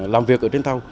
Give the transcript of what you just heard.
làm việc ở trên tàu